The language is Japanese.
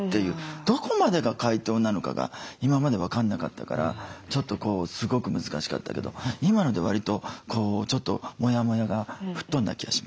どこまでが解凍なのかが今まで分かんなかったからちょっとすごく難しかったけど今のでわりとちょっとモヤモヤが吹っ飛んだ気がします。